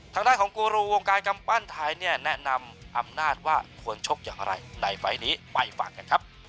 ทางด้านของกูรูวงการกำปั้นไทยเนี่ยแนะนำอำนาจว่าควรชกอย่างไรในไฟล์นี้ไปฟังกันครับ